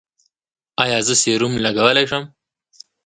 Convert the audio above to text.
ایا زه سیروم لګولی شم؟